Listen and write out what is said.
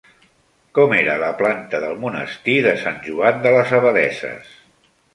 Com era la planta del monestir de Sant Joan de les Abadesses?